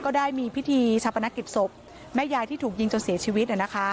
ได้มีพิธีชาปนกิจศพแม่ยายที่ถูกยิงจนเสียชีวิต